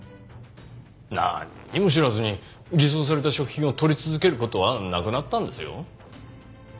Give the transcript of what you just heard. なんにも知らずに偽装された食品を取り続ける事はなくなったんですよ。